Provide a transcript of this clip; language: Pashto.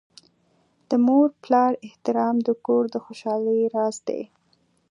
د مور پلار احترام د کور د خوشحالۍ راز دی.